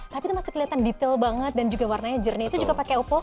tapi itu masih kelihatan detail banget dan juga warnanya jernih itu juga pakai oppo